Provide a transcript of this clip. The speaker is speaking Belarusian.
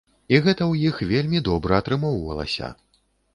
І гэта ў іх вельмі добра атрымоўвалася.